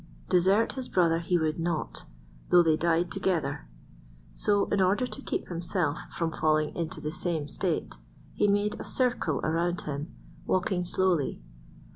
Desert his brother he would not, though they died together; so, in order to keep himself from falling into the same state, he made a circle around him, walking slowly.